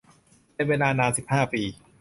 เป็นเวลานาน สิบห้า ปี